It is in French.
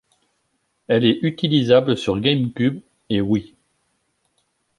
Elle est utilisable sur GameCube et Wii.